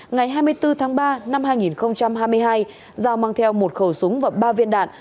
ngày hai mươi bốn tháng ba năm hai nghìn hai mươi hai giao mang theo một khẩu súng và ba viên đạn